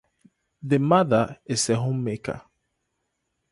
The mother is a homemaker.